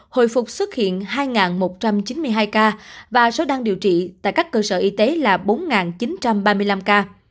hồi phục xuất hiện hai một trăm chín mươi hai ca và số đang điều trị tại các cơ sở y tế là bốn chín trăm ba mươi năm ca